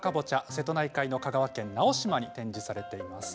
瀬戸内海の直島に展示されています。